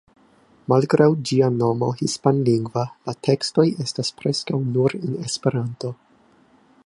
Malgraŭ ĝia nomo hispanlingva, la tekstoj estas preskaŭ nur en Esperanto.